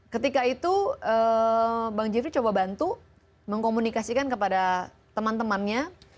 ketika itu bang jeffrey coba bantu mengkomunikasikan kepada teman temannya